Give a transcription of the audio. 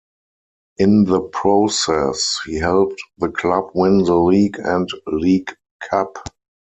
In the process he helped the club win the League and League Cup.